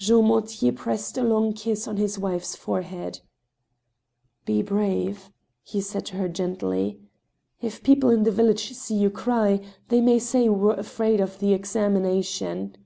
Jean Mortier pressed a long kiss on his wife's forehead. "Be brave," he said to her gently. "If people in the vil lage see you cry, they may say we were afraid of the examin ation."